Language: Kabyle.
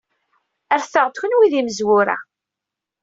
Rret-aɣ-d kenwi d imezwura.